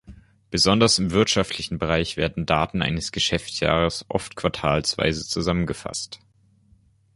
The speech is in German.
Besonders im wirtschaftlichen Bereich werden Daten eines Geschäftsjahres oft quartalsweise zusammengefasst.